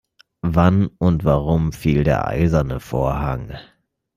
Wann und warum fiel der eiserne Vorhang?